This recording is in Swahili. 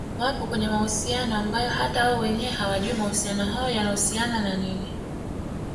wapo kwenye mahusiano ambayo hata wao wenyewe hawajui mahusiano hayo yanahusiana na nini